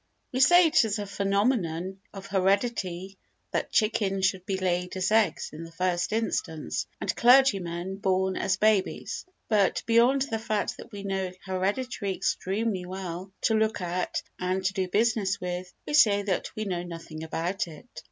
We say it is a phenomenon of heredity that chickens should be laid as eggs in the first instance and clergymen born as babies, but, beyond the fact that we know heredity extremely well to look at and to do business with, we say that we know nothing about it.